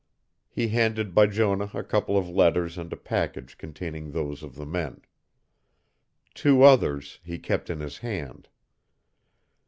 He handed Bijonah a couple of letters and a package containing those of the men. Two others he kept in his hand.